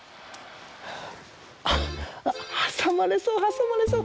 あっはさまれそうはさまれそう。